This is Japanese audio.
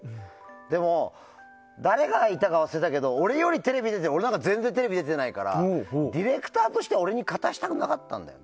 でも、誰がいたか忘れたけど俺よりテレビ出てて俺のほうが全然テレビに出てなかったからディレクターとしては俺に勝たせたくなかったんだよ。